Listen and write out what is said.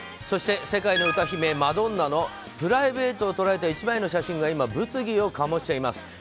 そして世界の歌姫マドンナのプライベートを捉えた１枚の写真が今、物議を醸しています。